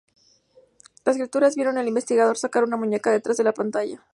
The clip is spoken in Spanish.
Las criaturas vieron al investigador sacar una muñeca de detrás de la pantalla.